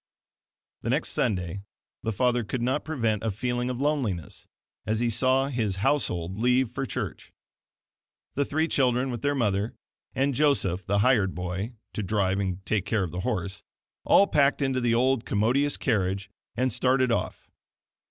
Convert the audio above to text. The next Sunday the father could not prevent a feeling of loneliness as he saw his household leave for church. The three children, with their mother and Joseph, the hired boy, to drive and take care of the horse; all packed into the old commodious carriage and started off.